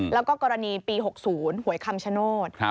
แล้วก็กรณีปี๖๐หวยคำชโนธ